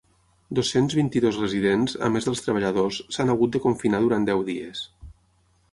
Dos-cents vint-i-dos residents, a més dels treballadors, s’han hagut de confinar durant deu dies.